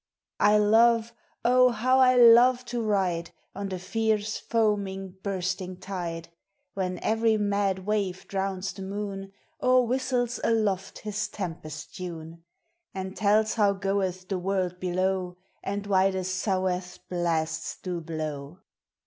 I love, O, how I love to ride On the fierce, foaming, bursting tide, THE Si: A. 381 When every mad wave drowns the moon, Or whistles aloft his tempest 1um\ And tells how goeth the world below, And why the sou'west blasts do blow.